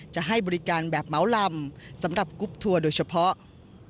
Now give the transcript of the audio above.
จะให้บริการแบบเหมาลำสำหรับกรุ๊ปทัวร์โดยเฉพาะ